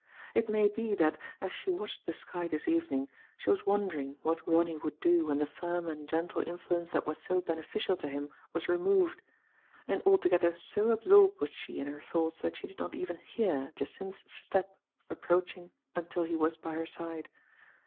It may be that, as she watched the sky this evening, she was wondering what Ronny would do when the firm and gentle influ ence that was so beneficial to him was removed ; and altogether so absorbed was she in her thoughts that she did not even heard Jacynth's step approaching until he was by her side.